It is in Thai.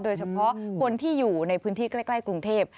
โดยเฉพาะคนที่อยู่ในพื้นที่ใกล้กรุงเทพ